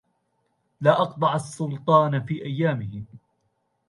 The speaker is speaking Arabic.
لا أقذع السلطان في أيامه